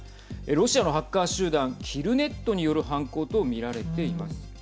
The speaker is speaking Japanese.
ロシアのハッカー集団キルネットによる犯行と見られています。